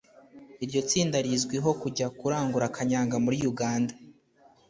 Iryo tsinda rizwiho kujya kurangura kanyanga muri Uganda